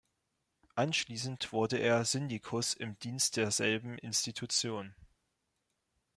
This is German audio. Anschließend wurde er Syndikus im Dienst derselben Institution.